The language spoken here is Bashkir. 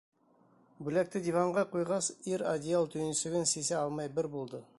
Бүләкте диванға ҡуйғас, ир одеял төйөнсөгөн сисә алмай бер булды.